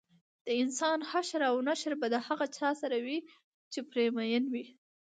دانسان حشر او نشر به د هغه چا سره وي چې پرې مین وي